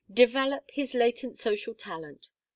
develop his latent social talent.